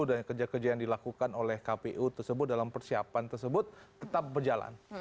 dan kerja kerja yang dilakukan oleh kpu dalam persiapan tersebut tetap berjalan